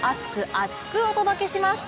厚く！お届けします。